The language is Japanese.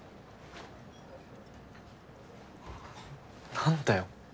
何だよ。